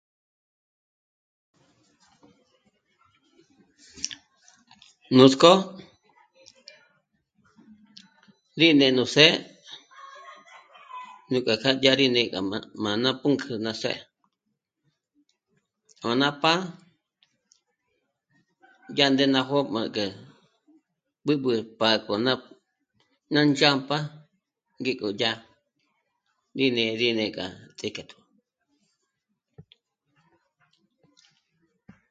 Nuts'k'ó rí né'e nú së́'ë ngé gá kjâ rí né'e gá má'a ná pǔnk'ü ná së́'ë, ó ná pá'a dyàndé ná jó'o m'â'a gé b'ǚb'ü pa poner ná ndzhámp'a gí k'o dyá rí né'e rí né'e k'a ts'íjketo